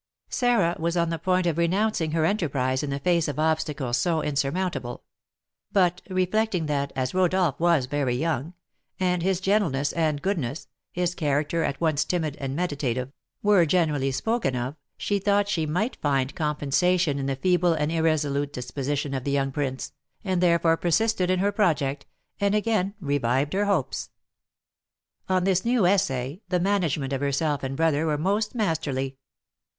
Sarah was on the point of renouncing her enterprise in the face of obstacles so insurmountable; but, reflecting that, as Rodolph was very young, and his gentleness and goodness, his character at once timid and meditative, were generally spoken of, she thought she might find compensation in the feeble and irresolute disposition of the young prince, and therefore persisted in her project, and again revived her hopes. On this new essay, the management of herself and brother were most masterly.